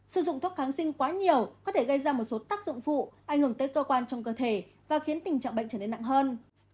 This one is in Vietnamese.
sử dụng thuốc kháng sinh quá nhiều có thể gây ra một số tác dụng phụ ảnh hưởng tới cơ quan trong cơ thể và khiến tình trạng bệnh trở nên nặng hơn